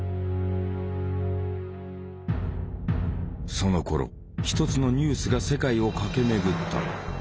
そのころ一つのニュースが世界を駆け巡った。